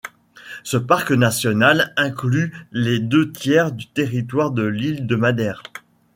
Ce parc national inclut les deux tiers du territoire de l'île de Madère.